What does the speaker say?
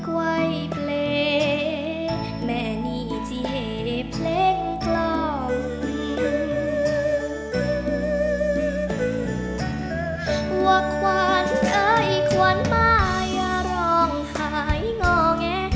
ว่าขวานไอ้ขวานมายรองหายงอแง